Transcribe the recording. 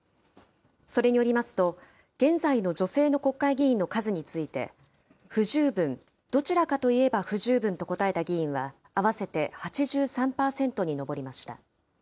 それによりますと、現在の女性の国会議員の数について、不十分、どちらかといえば不十分と答えた議員は、合わせて８３％に上りました。